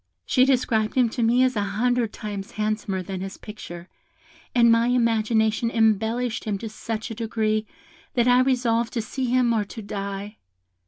She described him to me as an hundred times handsomer than his picture, and my imagination embellished him to such a degree that I resolved to see him or to die.